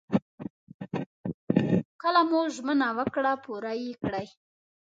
کله مو ژمنه وکړه پوره يې کړئ.